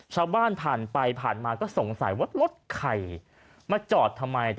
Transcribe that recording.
ชาวบ้านผ่านไปผ่านมาก็สงสัยว่ารถใครมาจอดทำไม